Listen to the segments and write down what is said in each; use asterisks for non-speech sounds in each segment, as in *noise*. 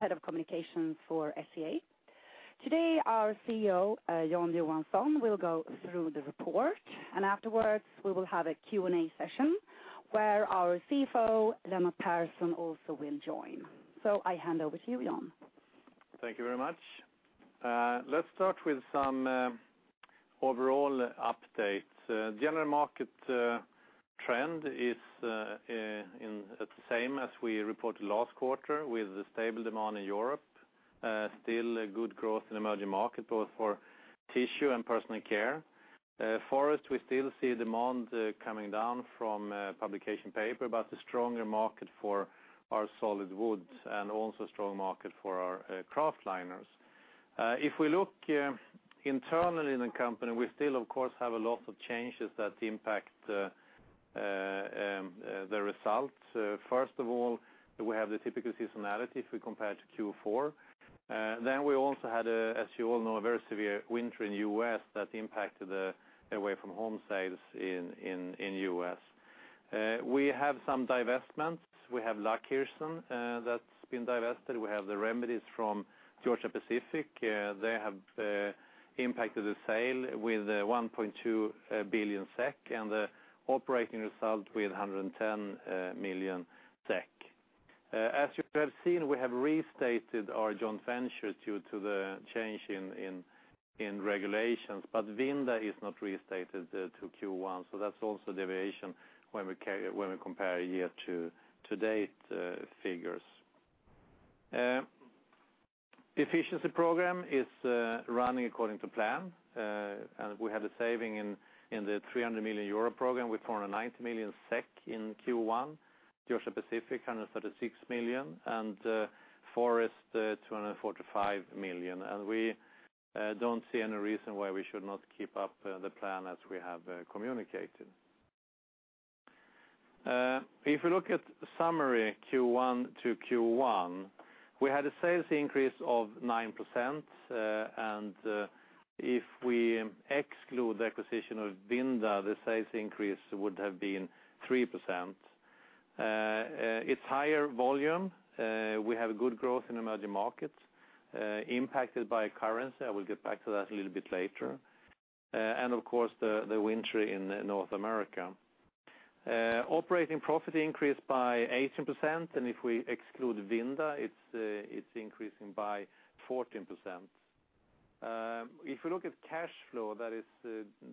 Head of communications for SCA. Today, our CEO, Jan Johansson, will go through the report, and afterwards we will have a Q&A session where our CFO, Lennart Persson, also will join. I hand over to you, Jan. Thank you very much. Let's start with some overall updates. General market trend is the same as we reported last quarter, with stable demand in Europe, still good growth in emerging markets, both for tissue and personal care. Forest, we still see demand coming down from publication paper, but a stronger market for our solid woods and also a strong market for our kraft liners. If we look internally in the company, we still, of course, have a lot of changes that impact the results. First of all, we have the typical seasonality if we compare to Q4. We also had, as you all know, a very severe winter in the U.S. that impacted the away-from-home sales in the U.S. We have some divestments. We have Laakirchen that's been divested. We have the remedies from Georgia-Pacific. They have impacted the sale with 1.2 billion SEK, and the operating result with 110 million SEK. As you have seen, we have restated our joint venture due to the change in regulations, but Vinda is not restated to Q1, so that's also a deviation when we compare year-to-date figures. Efficiency program is running according to plan. We had a saving in the 300 million euro program with 490 million SEK in Q1, Georgia-Pacific 136 million, and Forest 245 million. We don't see any reason why we should not keep up the plan as we have communicated. If we look at summary Q1 to Q1, we had a sales increase of 9%, and if we exclude the acquisition of Vinda, the sales increase would have been 3%. It's higher volume. We have good growth in emerging markets impacted by currency, I will get back to that a little bit later, and of course, the winter in North America. Operating profit increased by 18%, and if we exclude Vinda, it's increasing by 14%. If we look at cash flow, that is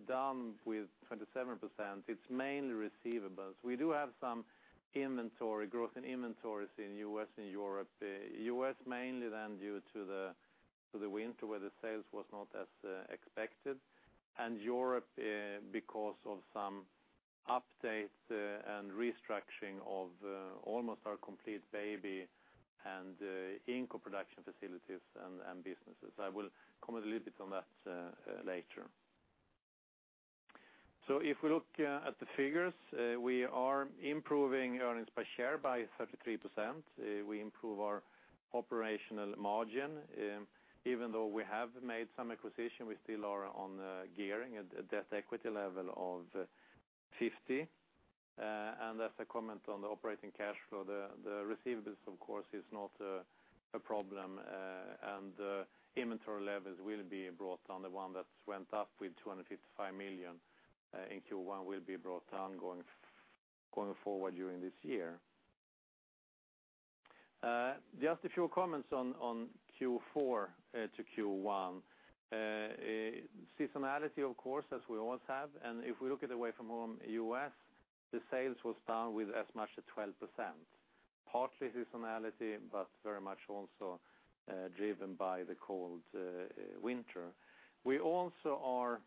down with 27%. It's mainly receivables. We do have some inventory growth in inventories in the U.S. and Europe. U.S. mainly then due to the winter where the sales was not as expected, and Europe because of some updates and restructuring of almost our complete baby and Inco production facilities and businesses. I will comment a little bit on that later. If we look at the figures, we are improving earnings per share by 33%. We improve our operational margin. Even though we have made some acquisition, we still are on gearing a debt equity level of 50. As I comment on the operating cash flow, the receivables, of course, is not a problem, and the inventory levels will be brought down. The one that went up with 255 million in Q1 will be brought down going forward during this year. Just a few comments on Q4 to Q1. Seasonality, of course, as we always have. If we look at away-from-home U.S., the sales was down with as much as 12%. Partly seasonality, very much also driven by the cold winter. We also are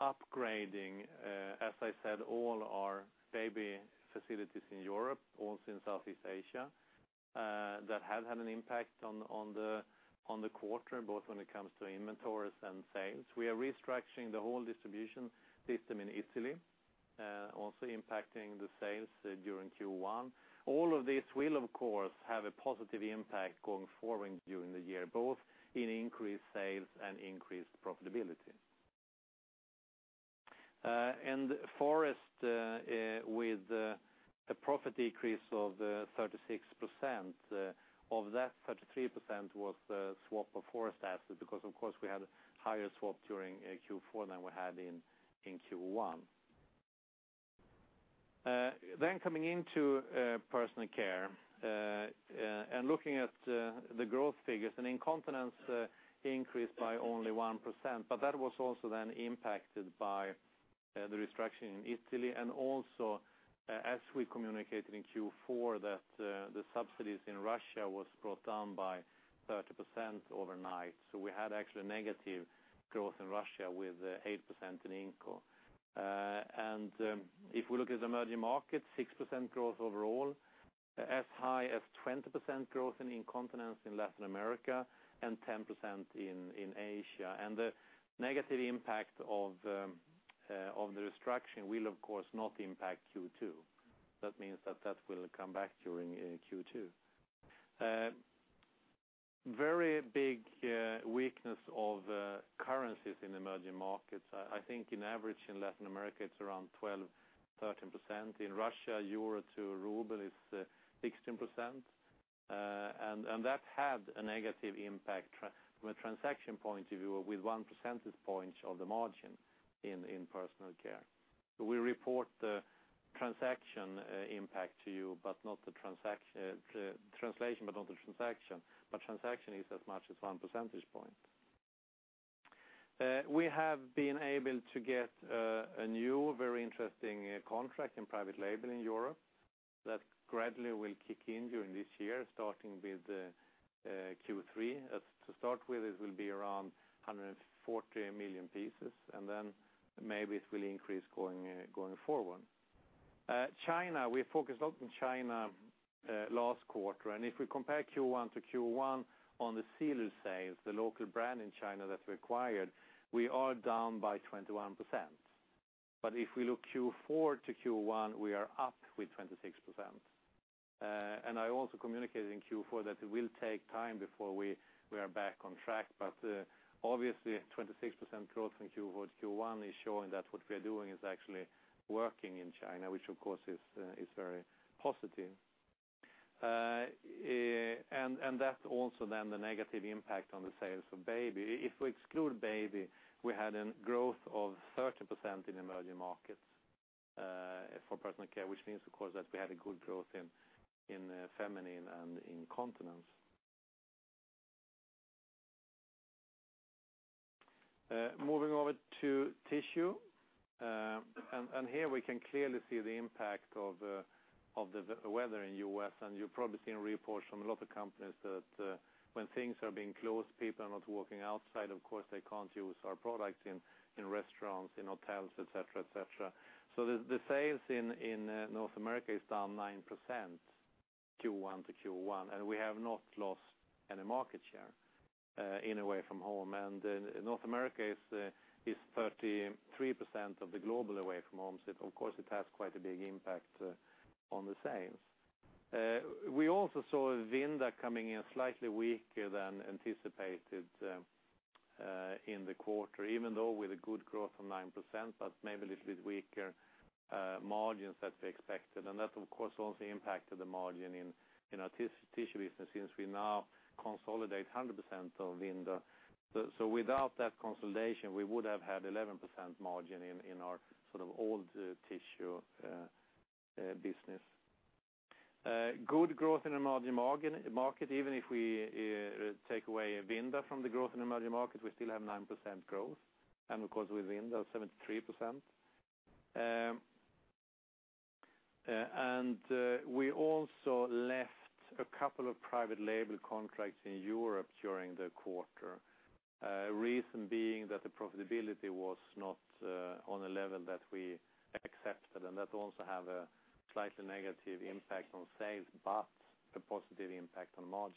upgrading, as I said, all our baby facilities in Europe, also in Southeast Asia. That has had an impact on the quarter, both when it comes to inventories and sales. We are restructuring the whole distribution system in Italy, also impacting the sales during Q1. All of this will, of course, have a positive impact going forward during the year, both in increased sales and increased profitability. Forest, with the profit decrease of 36%, of that, 33% was swap of Forest assets because, of course, we had higher swap during Q4 than we had in Q1. Coming into personal care, looking at the growth figures, incontinence increased by only 1%, but that was also then impacted by the restructuring in Italy. As we communicated in Q4, the subsidies in Russia was brought down by 30% overnight. We had actually negative growth in Russia with 8% in Inco. If we look at emerging markets, 6% growth overall, as high as 20% growth in incontinence in Latin America and 10% in Asia. The negative impact of the restructuring will, of course, not impact Q2. That means that will come back during Q2. Very big weakness of currencies in emerging markets. I think on average in Latin America, it's around 12%, 13%. In Russia, euro to ruble is 16%. That had a negative impact from a transaction point of view with one percentage point of the margin in personal care. We report the translation impact to you, not the transaction. Transaction is as much as one percentage point. We have been able to get a new, very interesting contract in private label in Europe that gradually will kick in during this year, starting with Q3. To start with, it will be around 140 million pieces. Then maybe it will increase going forward. China, we focused a lot on China last quarter. If we compare Q1 to Q1 on the Sealer sales, the local brand in China that we acquired, we are down by 21%. If we look Q4 to Q1, we are up with 26%. I also communicated in Q4 that it will take time before we are back on track. Obviously, 26% growth in Q4 to Q1 is showing that what we are doing is actually working in China, which of course is very positive. That's also then the negative impact on the sales of baby. If we exclude baby, we had a growth of 30% in emerging markets for personal care, which means, of course, that we had a good growth in feminine and incontinence. Moving over to tissue. Here we can clearly see the impact of the weather in U.S. You've probably seen reports from a lot of companies that when things are being closed, people are not walking outside. Of course, they can't use our products in restaurants, in hotels, et cetera. The sales in North America is down 9% Q1 to Q1, and we have not lost any market share in away-from-home. North America is 33% of the global away-from-home. Of course, it has quite a big impact on the sales. We also saw Vinda coming in slightly weaker than anticipated in the quarter, even though with a good growth from 9%, but maybe a little bit weaker margins that we expected. That, of course, also impacted the margin in our tissue business since we now consolidate 100% of Vinda. Without that consolidation, we would have had 11% margin in our old tissue business. Good growth in emerging market. Even if we take away Vinda from the growth in emerging markets, we still have 9% growth, and of course with Vinda, 73%. We also left a couple of private label contracts in Europe during the quarter. Reason being that the profitability was not on a level that we accepted, and that also have a slightly negative impact on sales, but a positive impact on margin.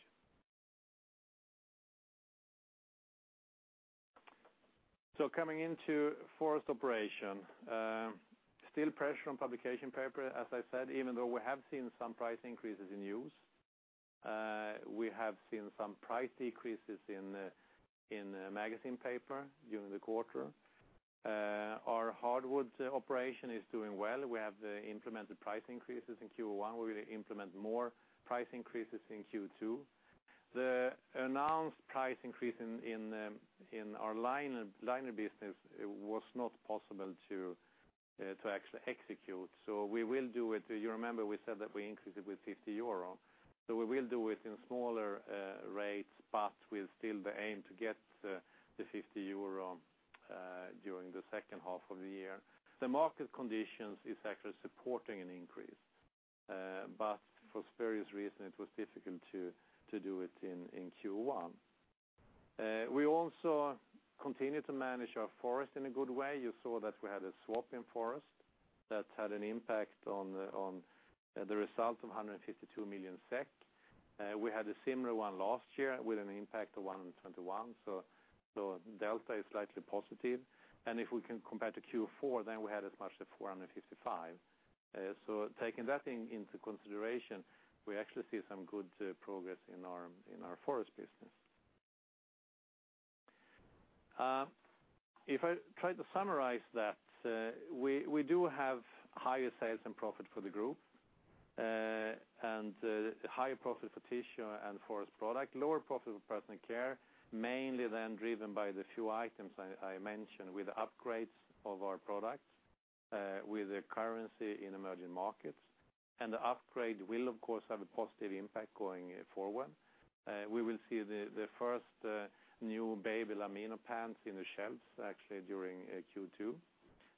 Coming into forest operation. Still pressure on publication paper, as I said, even though we have seen some price increases in news. We have seen some price decreases in magazine paper during the quarter. Our hardwood operation is doing well. We have implemented price increases in Q1. We will implement more price increases in Q2. The announced price increase in our liner business was not possible to actually execute. We will do it. You remember we said that we increased it with 50 euro. We will do it in smaller rates, but with still the aim to get the 50 euro during the second half of the year. The market conditions is actually supporting an increase. For various reasons, it was difficult to do it in Q1. We also continue to manage our forest in a good way. You saw that we had a swap in forest that had an impact on the result of 152 million SEK. We had a similar one last year with an impact of 121. Delta is slightly positive. If we can compare to Q4, then we had as much as 455. Taking that into consideration, we actually see some good progress in our forest business. If I try to summarize that, we do have higher sales and profit for the group, and higher profit for tissue and forest product, lower profit for personal care, mainly then driven by the few items I mentioned with the upgrades of our products, with the currency in emerging markets. The upgrade will, of course, have a positive impact going forward. We will see the first new baby Libero pants in the shelves actually during Q2.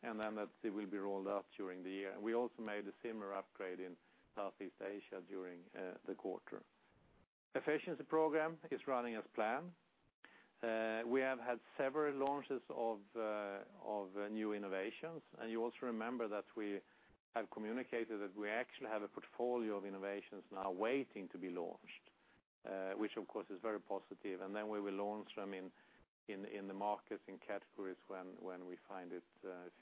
That will be rolled out during the year. We also made a similar upgrade in Southeast Asia during the quarter. Efficiency program is running as planned. We have had several launches of new innovations, and you also remember that we actually have a portfolio of innovations now waiting to be launched, which of course is very positive. We will launch them in the markets, in categories when we find it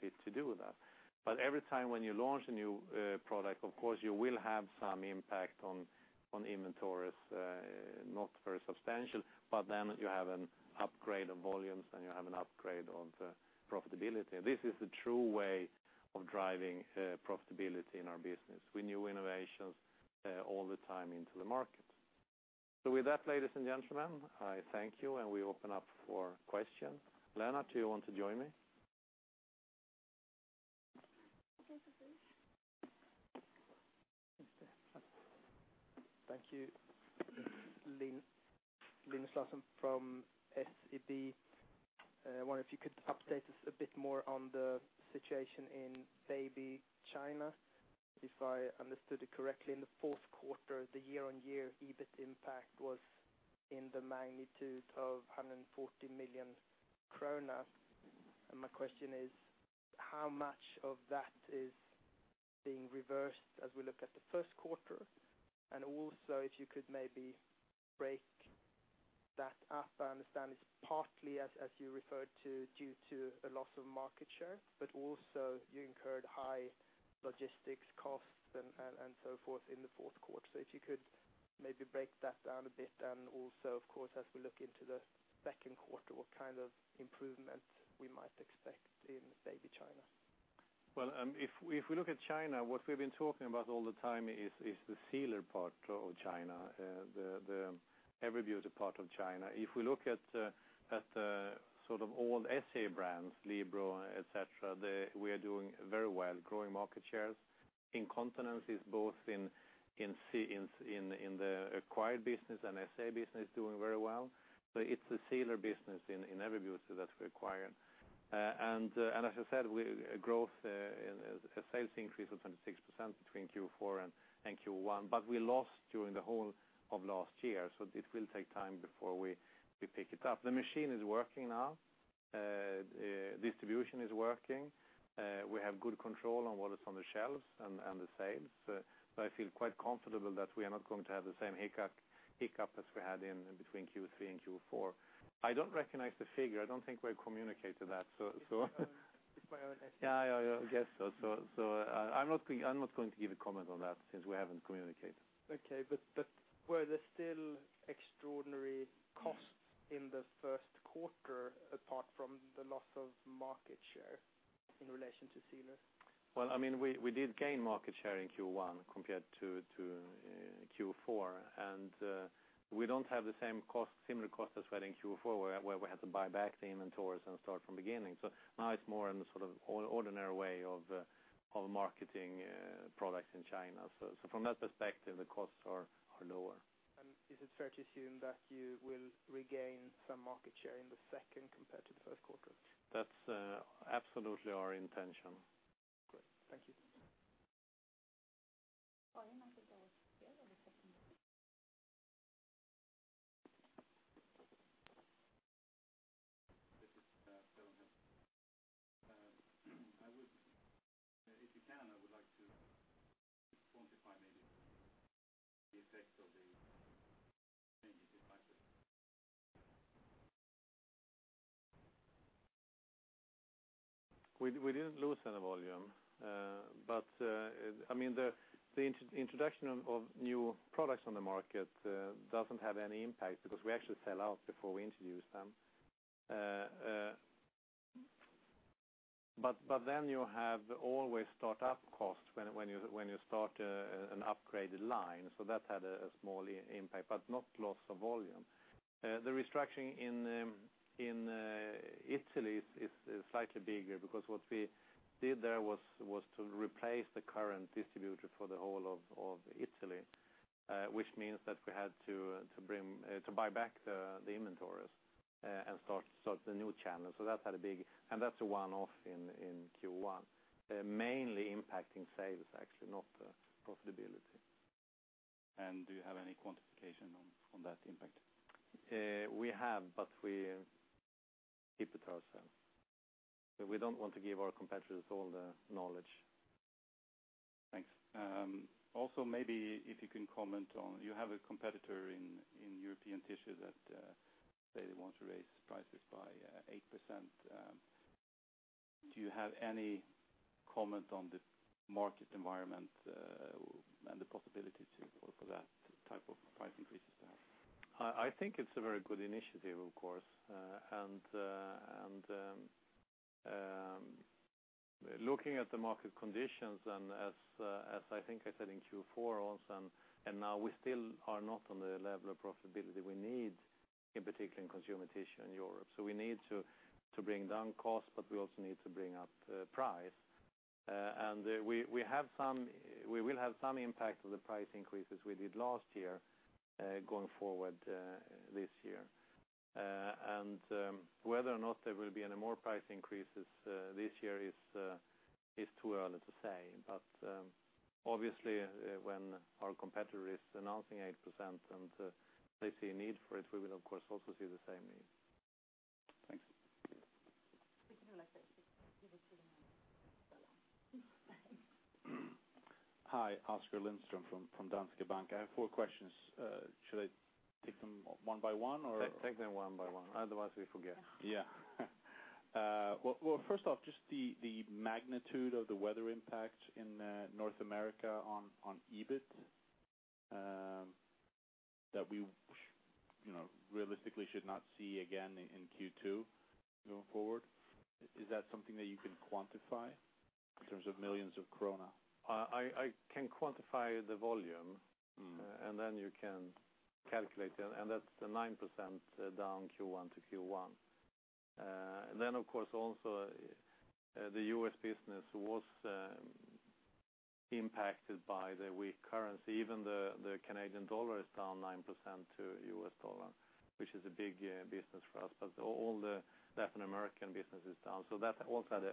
fit to do that. Every time when you launch a new product, of course you will have some impact on inventories, not very substantial. You have an upgrade of volumes, and you have an upgrade of the profitability. This is the true way of driving profitability in our business, with new innovations all the time into the market. With that, ladies and gentlemen, I thank you, and we open up for question. Lennart, do you want to join me? Thank you. Linus Larsson from SEB. I wonder if you could update us a bit more on the situation in Baby China. If I understood it correctly, in the fourth quarter, the year-on-year EBIT impact was in the magnitude of 140 million kronor. My question is how much of that is being reversed as we look at the first quarter? If you could maybe break that up. I understand it's partly, as you referred to, due to a loss of market share, but also you incurred high logistics costs and so forth in the fourth quarter. If you could maybe break that down a bit. Of course, as we look into the second quarter, what kind of improvement we might expect in Baby China? Well, if we look at China, what we've been talking about all the time is the Sealer part of China, the Everbeauty part of China. If we look at the sort of old SCA brands, Libero, et cetera, we are doing very well, growing market shares. Incontinence is both in the acquired business and SCA business doing very well. It's the Sealer business in Everbeauty that we acquired. As I said, a sales increase of 26% between Q4 and Q1. We lost during the whole of last year, so it will take time before we pick it up. The machine is working now. Distribution is working. We have good control on what is on the shelves and the sales. I feel quite comfortable that we are not going to have the same hiccup as we had in between Q3 and Q4. I don't recognize the figure. I don't think we've communicated that. It's my own estimate. Yeah. I guess so. I'm not going to give a comment on that since we haven't communicated. Okay. Were there still extraordinary costs in the first quarter apart from the loss of market share in relation to Sealer? Well, we did gain market share in Q1 compared to Q4, and we don't have the similar costs as we had in Q4 where we had to buy back the inventories and start from beginning. Now it's more in the sort of ordinary way of marketing products in China. From that perspective, the costs are lower. Is it fair to assume that you will regain some market share in the second compared to the first quarter? That's absolutely our intention. Great. Thank you. This is Simon. If you can, I would like to quantify maybe the effect of the changes in prices. We didn't lose any volume. The introduction of new products on the market doesn't have any impact because we actually sell out before we introduce them. You have always start-up costs when you start an upgraded line. That had a small impact, but not loss of volume. The restructuring in Italy is slightly bigger because what we did there was to replace the current distributor for the whole of Italy. Which means that we had to buy back the inventories, and start the new channel. That's had a one-off in Q1. Mainly impacting sales, actually, not profitability. Do you have any quantification on that impact? We have, but we keep it to ourselves. We don't want to give our competitors all the knowledge. Thanks. Also, maybe if you can comment on, you have a competitor in European tissue that say they want to raise prices by 8%. Do you have any comment on the market environment, and the possibility to work with that type of price increases there? I think it's a very good initiative, of course. Looking at the market conditions, as I think I said in Q4 also, we still are not on the level of profitability we need, in particular in consumer tissue in Europe. We need to bring down costs, but we also need to bring up price. We will have some impact of the price increases we did last year, going forward this year. Whether or not there will be any more price increases this year is too early to say. Obviously, when our competitor is announcing 8% and they see a need for it, we will of course also see the same need. Hi, Oskar Lindström from Danske Bank. I have four questions. Should I take them one by one or? Take them one by one. Otherwise we forget. First off, just the magnitude of the weather impact in North America on EBIT that we realistically should not see again in Q2 going forward. Is that something that you can quantify in terms of millions of SEK? I can quantify the volume, and then you can calculate, and that's the 9% down Q1 to Q1. Of course, also, the U.S. business was impacted by the weak currency. Even the Canadian dollar is down 9% to U.S. dollar, which is a big business for us, but all the Latin American business is down. That also had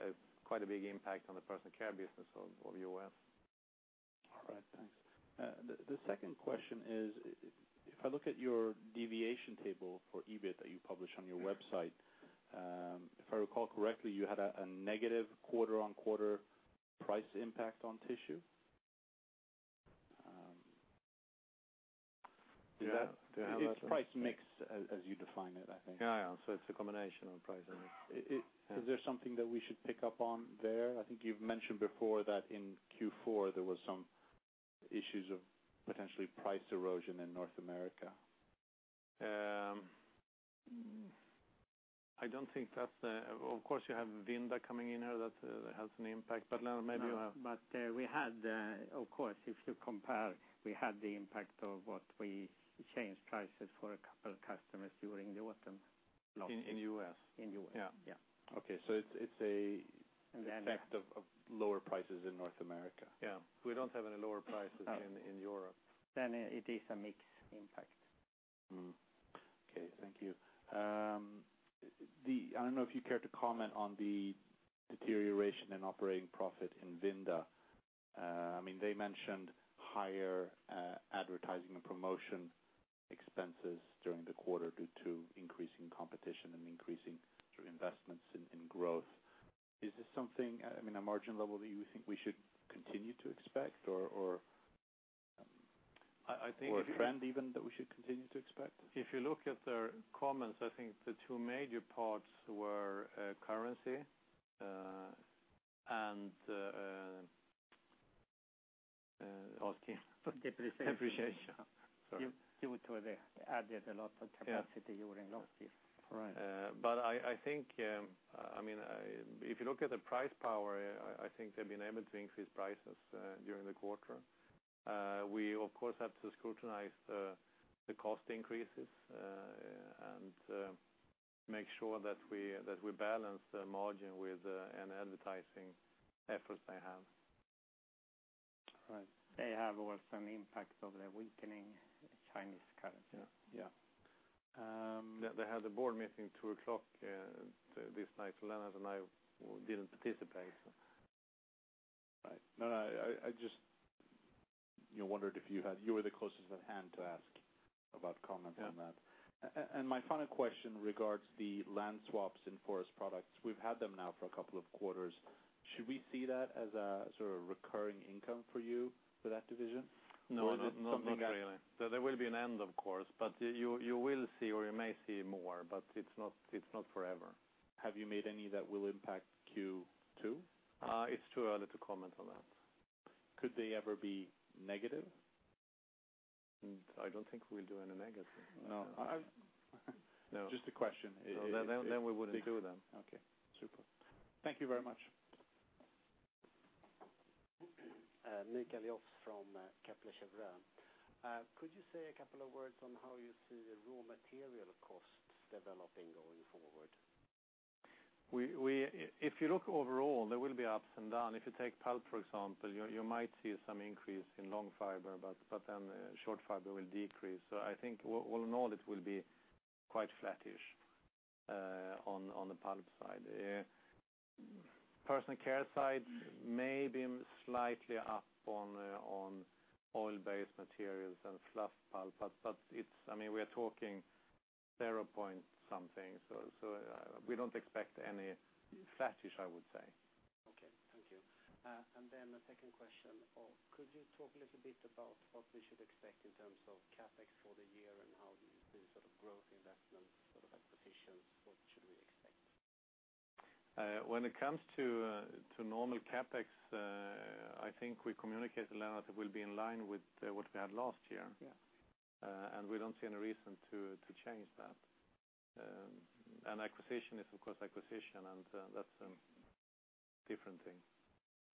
quite a big impact on the personal care business of U.S. All right, thanks. The second question is, if I look at your deviation table for EBIT that you publish on your website, if I recall correctly, you had a negative quarter-on-quarter price impact on tissue. Yeah. It's price mix as you define it, I think. Yeah. It's a combination of price, I think. Is there something that we should pick up on there? I think you've mentioned before that in Q4 there was some issues of potentially price erosion in North America. I don't think that's the Of course, you have Vinda coming in here that has an impact, but Lennart maybe you have. We had, of course, if you compare, we had the impact of what we changed prices for a couple of customers during the autumn. In U.S.? In U.S. Yeah. Yeah. It's an effect of lower prices in North America. Yeah. We don't have any lower prices in Europe. It is a mixed impact. Okay. Thank you. I don't know if you care to comment on the deterioration in operating profit in Vinda. They mentioned higher advertising and promotion expenses during the quarter due to increasing competition and increasing investments in growth. Is this something, a margin level that you think we should continue to expect or- I think- Or a trend even that we should continue to expect? If you look at their comments, I think the two major parts were currency, and. *inaudible* Depreciation. Depreciation. Sorry. Due to they added a lot of capacity during last year. Right. I think, if you look at the price power, I think they've been able to increase prices during the quarter. We of course, have to scrutinize the cost increases, and make sure that we balance the margin with any advertising efforts they have. All right. They have also an impact of the weakening Chinese currency. Yeah. They had a board meeting two o'clock this night. Lennart and I didn't participate. Right. No, I just wondered if you were the closest at hand to ask about comment on that. Yeah. My final question regards the land swaps in forest products. We've had them now for a couple of quarters. Should we see that as a sort of recurring income for you for that division? No, not really. Is it something There will be an end, of course, but you will see, or you may see more, but it's not forever. Have you made any that will impact Q2? It's too early to comment on that. Could they ever be negative? I don't think we'll do any negative. No. No. Just a question. No. We wouldn't do them. Okay. Super. Thank you very much. Mikael Joss from Kepler Cheuvreux. Could you say a couple of words on how you see the raw material costs developing going forward? If you look overall, there will be ups and down. If you take pulp, for example, you might see some increase in long fiber, short fiber will decrease. I think all in all, it will be quite flattish on the pulp side. Personal care side may be slightly up on oil-based materials and fluff pulp, we're talking zero point something, we don't expect any. Flattish, I would say. Okay. Thank you. The second question, could you talk a little bit about what we should expect in terms of CapEx for the year and how the sort of growth investments expectations, what should we expect? When it comes to normal CapEx, I think we communicated, Lennart, it will be in line with what we had last year. Yeah. We don't see any reason to change that. Acquisition is of course, acquisition, that's a different thing.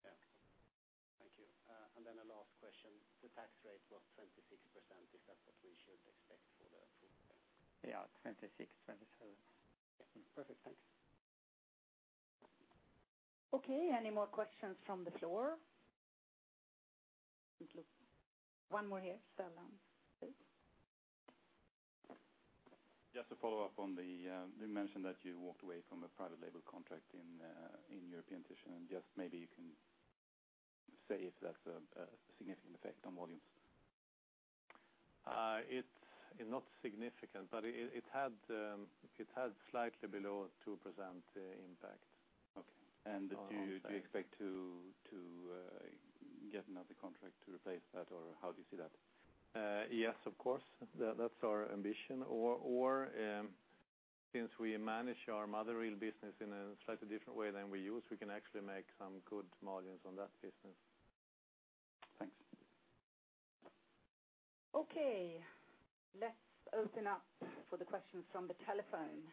Yeah. Thank you. A last question. The tax rate was 26%, is that what we should expect for the full year? Yeah, 26, 27. Perfect. Thanks. Okay. Any more questions from the floor? One more here. You mentioned that you walked away from a private label contract in European tissue. Just maybe you can say if that's a significant effect on volumes? It's not significant, but it had slightly below 2% impact. Okay. Do you expect to get another contract to replace that, or how do you see that? Yes, of course. That's our ambition. Since we manage our mother reel business in a slightly different way than we used, we can actually make some good margins on that business. Thanks. Okay, let's open up for the questions from the telephone.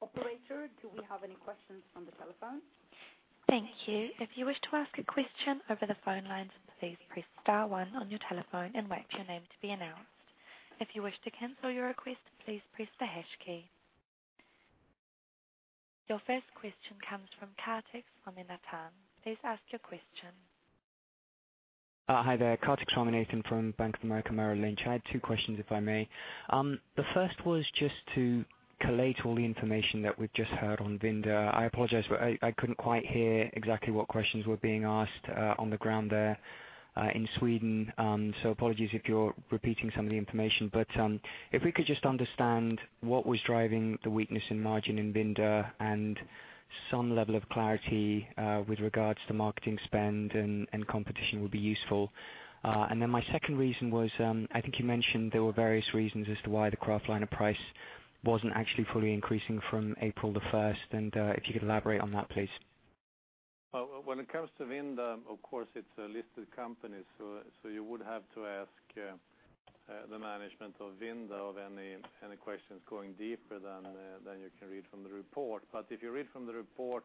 Operator, do we have any questions from the telephone? Thank you. If you wish to ask a question over the phone lines, please press star one on your telephone and wait for your name to be announced. If you wish to cancel your request, please press the hash key. Your first question comes from Kartik Ramanathan. Please ask your question. Hi there, Kartik Ramanathan from Bank of America Merrill Lynch. I had two questions, if I may. The first was just to collate all the information that we've just heard on Vinda. I apologize, I couldn't quite hear exactly what questions were being asked on the ground there in Sweden. Apologies if you're repeating some of the information. If we could just understand what was driving the weakness in margin in Vinda and some level of clarity with regards to marketing spend and competition would be useful. My second reason was, I think you mentioned there were various reasons as to why the kraftliner price wasn't actually fully increasing from April the 1st, and if you could elaborate on that, please. When it comes to Vinda, of course, it's a listed company, you would have to ask the management of Vinda of any questions going deeper than you can read from the report. If you read from the report,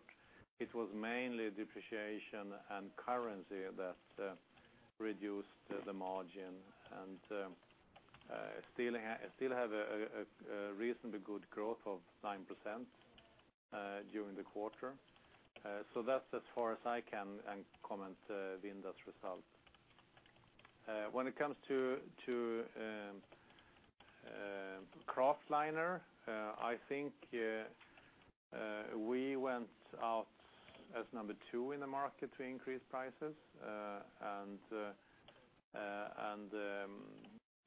it was mainly depreciation and currency that reduced the margin, and still have a reasonably good growth of 9% during the quarter. That's as far as I can comment Vinda's result. When it comes to kraftliner, I think we went out as number two in the market to increase prices. The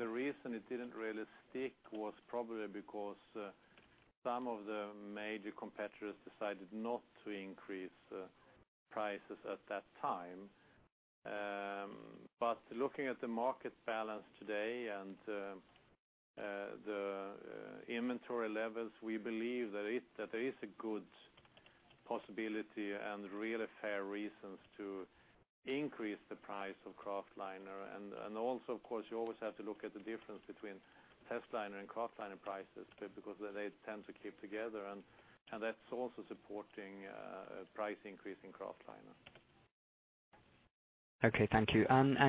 reason it didn't really stick was probably because some of the major competitors decided not to increase prices at that time. Looking at the market balance today and the inventory levels, we believe that there is a good possibility and really fair reasons to increase the price of kraftliner. Also, of course, you always have to look at the difference between testliner and kraftliner prices, because they tend to keep together, and that's also supporting a price increase in kraftliner. Okay, thank you.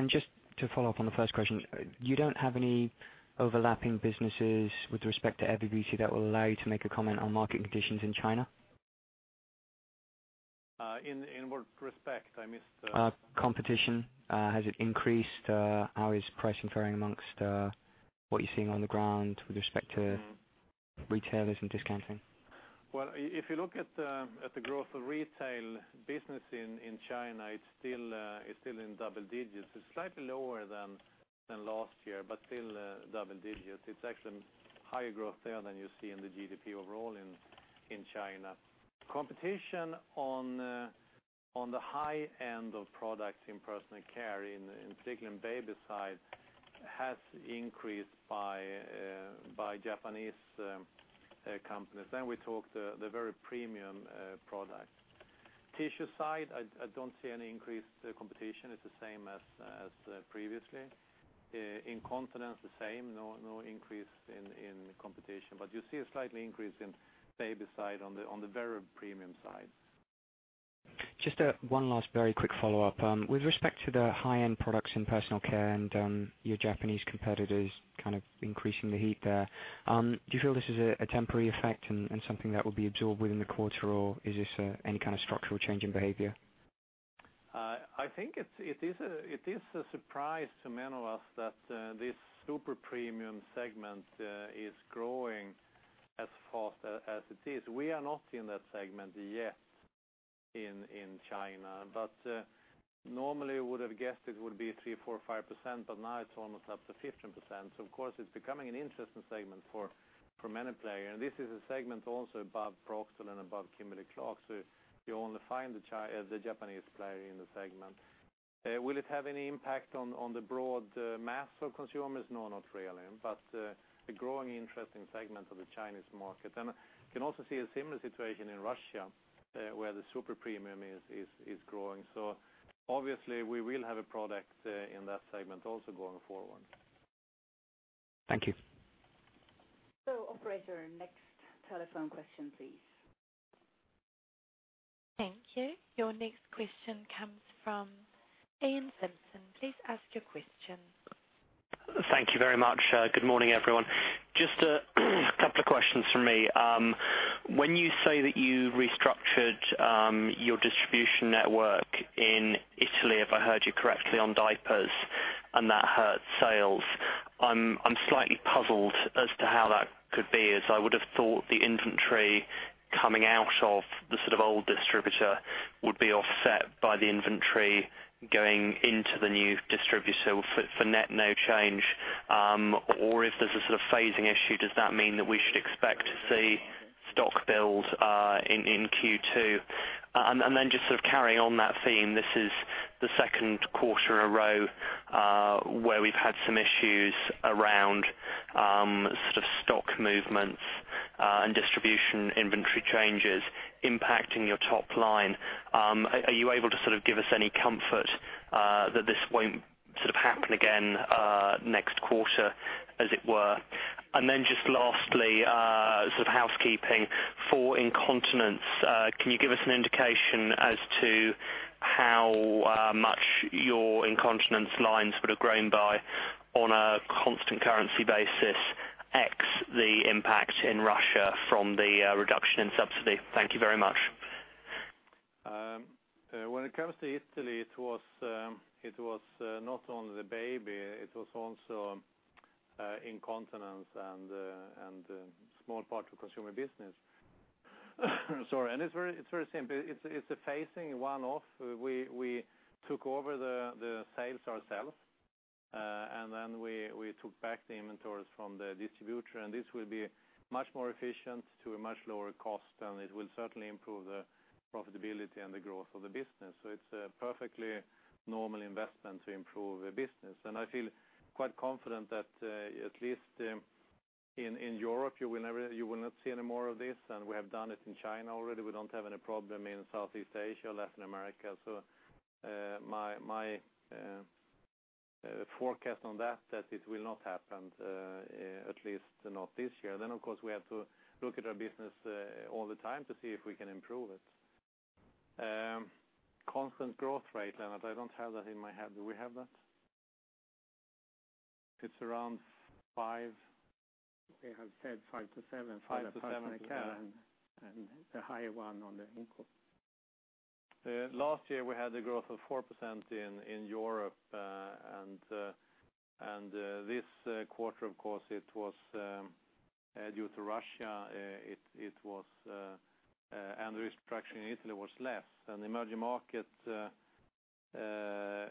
Just to follow up on the first question, you don't have any overlapping businesses with respect to FMCG that will allow you to make a comment on market conditions in China? In what respect? I missed. Competition. Has it increased? How is pricing faring amongst what you're seeing on the ground with respect to retailers and discounting? Well, if you look at the growth of retail business in China, it's still in double digits. It's slightly lower than last year, but still double digits. It's actually higher growth there than you see in the GDP overall in China. Competition on the high end of products in personal care, in particular in baby side, has increased by Japanese companies. We talk the very premium products. Tissue side, I don't see any increased competition. It's the same as previously. Incontinence, the same, no increase in competition. You see a slightly increase in baby side on the very premium side. Just one last very quick follow-up. With respect to the high-end products in personal care and your Japanese competitors kind of increasing the heat there, do you feel this is a temporary effect and something that will be absorbed within the quarter, or is this any kind of structural change in behavior? I think it is a surprise to many of us that this super premium segment is growing as fast as it is. We are not in that segment yet in China, but normally would've guessed it would be 3%, 4%, 5%, but now it's almost up to 15%. Of course, it's becoming an interesting segment for many players. This is a segment also above Procter & Gamble and above Kimberly-Clark. You only find the Japanese player in the segment. Will it have any impact on the broad mass of consumers? No, not really. A growing interesting segment of the Chinese market. You can also see a similar situation in Russia, where the super premium is growing. Obviously, we will have a product in that segment also going forward. Thank you. Operator, next telephone question, please. Thank you. Your next question comes from Iain Simpson. Please ask your question. Thank you very much. Good morning, everyone. Just a couple of questions from me. When you say that you restructured your distribution network in Italy, if I heard you correctly, on diapers, and that hurt sales, I'm slightly puzzled as to how that could be, as I would've thought the inventory coming out of the old distributor would be offset by the inventory going into the new distributor for net no change. If there's a phasing issue, does that mean that we should expect to see stock build in Q2? Just carrying on that theme, this is the second quarter in a row, where we've had some issues around stock movements, and distribution inventory changes impacting your top line. Are you able to give us any comfort that this won't happen again next quarter, as it were? Just lastly, housekeeping. For incontinence, can you give us an indication as to how much your incontinence lines would have grown by on a constant currency basis, ex the impact in Russia from the reduction in subsidy? Thank you very much. When it comes to Italy, it was not only the baby, it was also incontinence and a small part of consumer business. Sorry. It's very simple. It's a phasing one-off. We took over the sales ourselves, then we took back the inventories from the distributor. This will be much more efficient to a much lower cost, and it will certainly improve the profitability and the growth of the business. It's a perfectly normal investment to improve the business. I feel quite confident that, at least in Europe, you will not see any more of this. We have done it in China already. We don't have any problem in Southeast Asia or Latin America. My forecast on that it will not happen, at least not this year. Of course, we have to look at our business all the time to see if we can improve it. Constant growth rate, Lennart. I don't have that in my head. Do we have that? It's around five. They have said five to seven for the personal care. Five to seven. The higher one on the incontinence. Last year, we had a growth of 4% in Europe. This quarter, of course, due to Russia, and the restructuring in Italy was less. In the emerging market,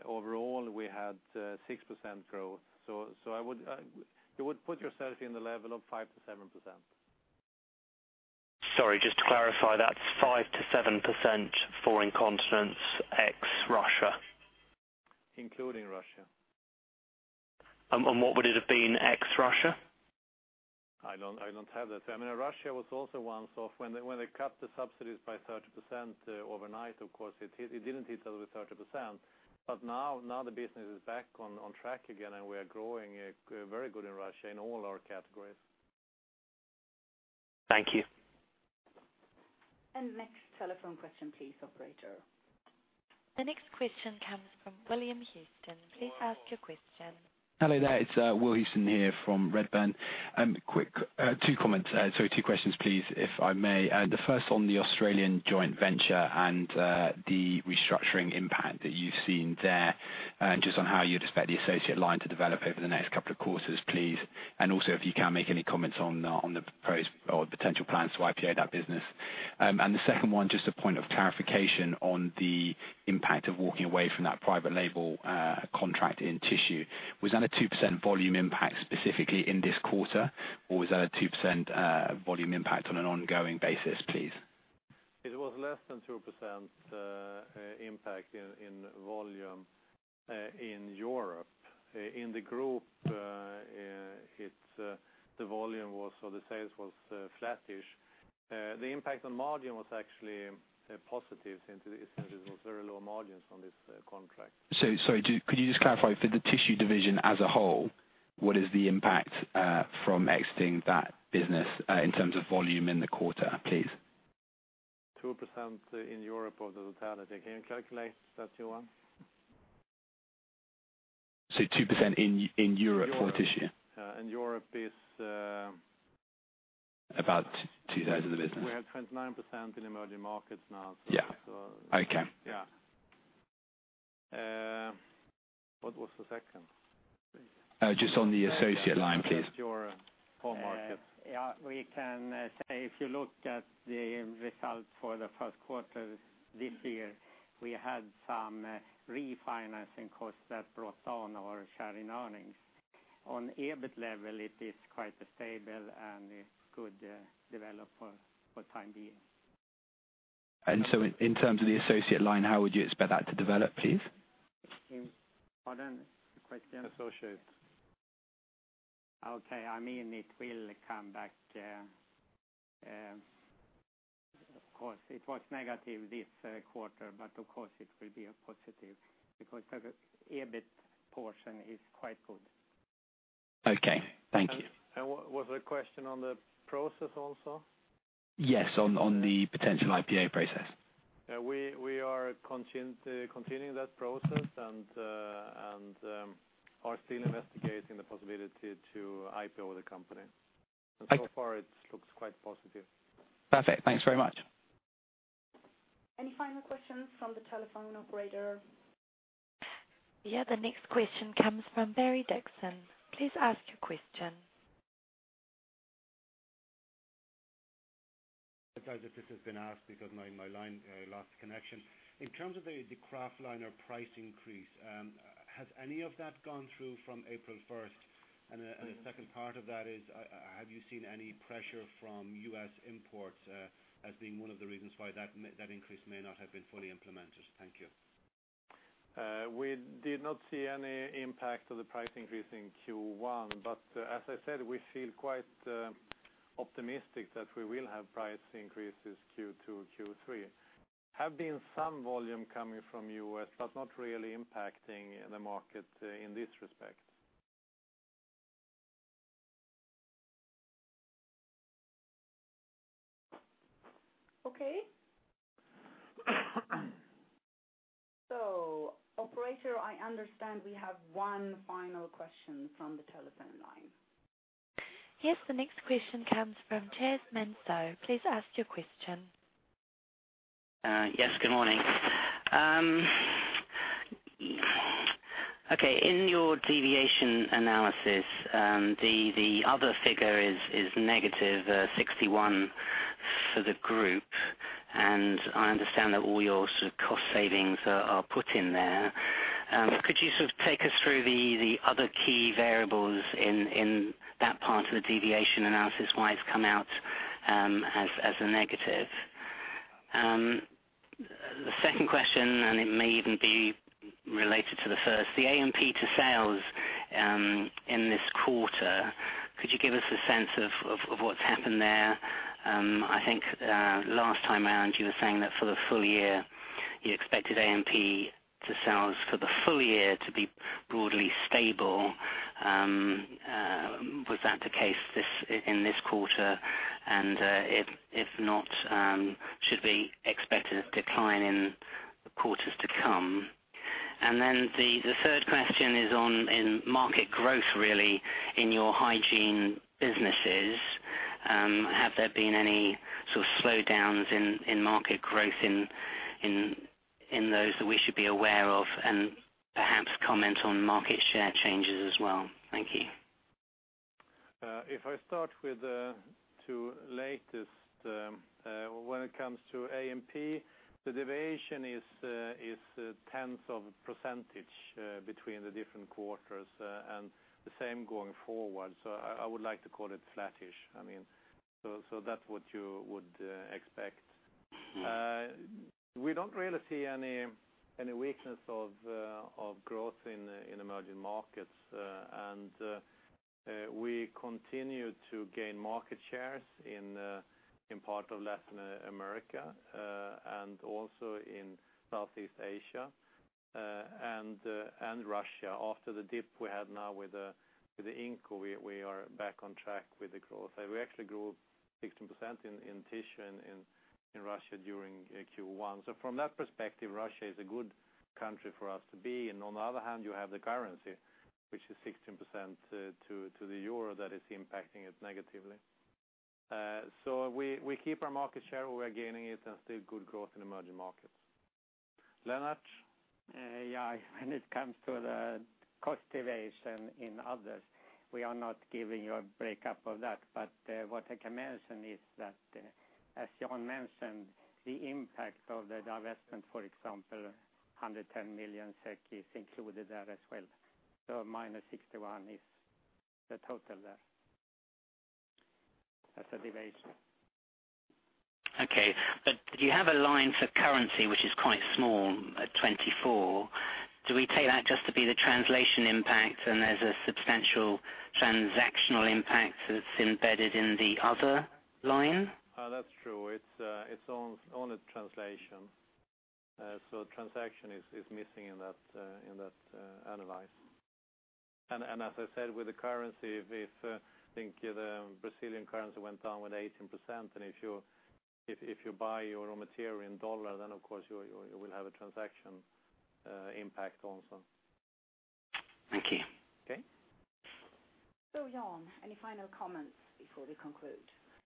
overall, we had 6% growth. You would put yourself in the level of 5%-7%. Sorry, just to clarify, that's 5%-7% for incontinence, ex Russia. Including Russia. What would it have been, ex Russia? I don't have that. Russia was also once off. When they cut the subsidies by 30% overnight, of course, it didn't hit over 30%. Now the business is back on track again, and we are growing very good in Russia in all our categories. Thank you. Next telephone question, please, operator. The next question comes from William Houston. Please ask your question. Hello there. It's William Houston here from Redburn. Two questions please, if I may. The first on the Australian joint venture and the restructuring impact that you've seen there, and just on how you'd expect the associate line to develop over the next couple of quarters, please. Also, if you can make any comments on the potential plans to IPO that business. The second one, just a point of clarification on the impact of walking away from that private label contract in tissue. Was that a 2% volume impact specifically in this quarter, or was that a 2% volume impact on an ongoing basis, please? It was less than 2% impact in volume in Europe. In the group, the volume was, or the sales was flattish. The impact on margin was actually positive since there was very low margins on this contract. Sorry, could you just clarify, for the tissue division as a whole, what is the impact from exiting that business in terms of volume in the quarter, please? 2% in Europe of the totality. Can you calculate that, Johan? 2% in Europe for tissue. In Europe. About two-thirds of the business. We have 29% in emerging markets now. Yeah. Okay. Yeah. What was the second? Just on the associate line, please. That's your home market. Yeah, we can say if you look at the results for the first quarter this year, we had some refinancing costs that brought down our share in earnings. On EBIT level, it is quite stable, and it could develop for time being. In terms of the associate line, how would you expect that to develop, please? Pardon the question. Associate. I'll say it will come back. Of course, it was negative this quarter, but of course, it will be a positive because the EBIT portion is quite good. Okay. Thank you. Was there a question on the process also? Yes, on the potential IPO process. We are continuing that process and are still investigating the possibility to IPO the company. Thank you. So far, it looks quite positive. Perfect. Thanks very much. Any final questions from the telephone operator? Yeah. The next question comes from Barry Dixon. Please ask your question. I doubt that this has been asked because my line lost connection. In terms of the kraftliner price increase, has any of that gone through from April 1st? The second part of that is, have you seen any pressure from U.S. imports as being one of the reasons why that increase may not have been fully implemented? Thank you. We did not see any impact of the price increase in Q1, as I said, we feel quite optimistic that we will have price increases Q2, Q3. Have been some volume coming from U.S., not really impacting the market in this respect. Okay. Operator, I understand we have one final question from the telephone line. Yes, the next question comes from Chas Menso. Please ask your question. Yes, good morning. Okay. In your deviation analysis, the other figure is negative 61 for the group, and I understand that all your sort of cost savings are put in there. Could you sort of take us through the other key variables in that part of the deviation analysis, why it has come out as a negative? The second question, and it may even be related to the first, the AMP to sales in this quarter, could you give us a sense of what has happened there? I think last time around you were saying that for the full year, you expected AMP to sales for the full year to be broadly stable. Was that the case in this quarter? If not, should we expect a decline in the quarters to come? The third question is on market growth, really, in your hygiene businesses. Have there been any sort of slowdowns in market growth in those that we should be aware of? Perhaps comment on market share changes as well. Thank you. If I start with the two latest, when it comes to AMP, the deviation is tens of % between the different quarters, and the same going forward. I would like to call it flattish. That is what you would expect. We do not really see any weakness of growth in emerging markets. We continue to gain market shares in part of Latin America, and also in Southeast Asia and Russia. After the dip we had now with INCO, we are back on track with the growth. We actually grew 16% in tissue in Russia during Q1. From that perspective, Russia is a good country for us to be in. On the other hand, you have the currency, which is 16% to the EUR, that is impacting it negatively. We keep our market share, we are gaining it, and still good growth in emerging markets. Lennart? Yeah. When it comes to the cost deviation in others, we are not giving you a breakup of that. What I can mention is that, as Jan mentioned, the impact of the divestment, for example, 110 million SEK is included there as well. Minus 61 is the total there as a deviation. Okay. You have a line for currency which is quite small at 24. Do we take that just to be the translation impact and there's a substantial transactional impact that's embedded in the other line? That's true. It's only translation. Transaction is missing in that analysis. As I said, with the currency, if the Brazilian currency went down with 18%, if you buy your raw material in U.S. dollars, of course you will have a transaction impact also. Thank you. Okay. Jan, any final comments before we conclude?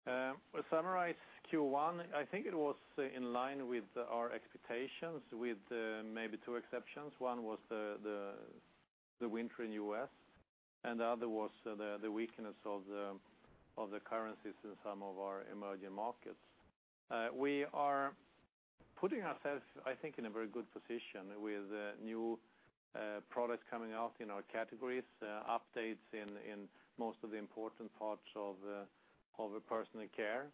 To summarize Q1, I think it was in line with our expectations with maybe two exceptions. One was the winter in U.S., and the other was the weakness of the currencies in some of our emerging markets. We are putting ourselves, I think, in a very good position with new products coming out in our categories, updates in most of the important parts of personal care,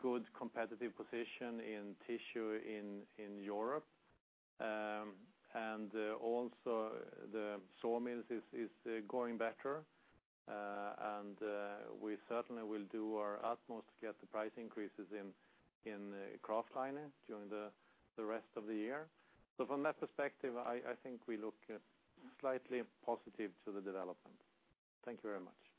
good competitive position in tissue in Europe. Also the sawmills is going better. We certainly will do our utmost to get the price increases in kraftliner during the rest of the year. From that perspective, I think we look slightly positive to the development. Thank you very much.